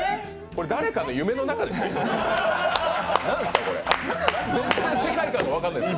これ、誰かの夢の中ですか？